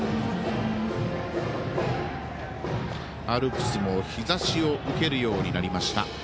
アルプスも日ざしを受けるようになりました。